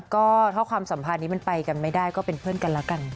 ก็ถ้าความสัมพันธ์นี้มันไปกันไม่ได้ก็เป็นเพื่อนกันแล้วกัน